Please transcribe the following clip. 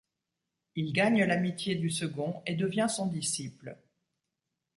Il gagne l'amitié du second et devient son disciple.